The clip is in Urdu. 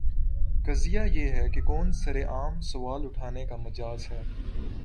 قضیہ یہ ہے کہ کون سر عام سوال اٹھانے کا مجاز ہے؟